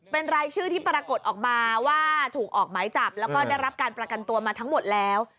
เป็นรายชื่อที่ปรากฏออกมาว่าถูกออกหมายจับแล้วก็ได้รับการประกันตัวมาทั้งหมดแล้ว